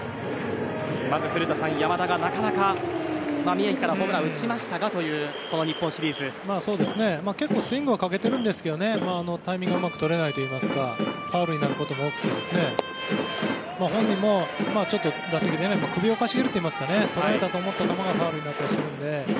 まず古田さん、山田がなかなか宮城からホームランを打ちましたがというスイングはかけているんですがタイミングがうまくとれないといいますかファウルになることが多くて本人も、打席で首をかしげるといいますか捉えたと思った球がファウルになったりするので。